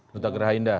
ruta gerah indah